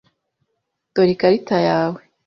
Dore ikarita yawe.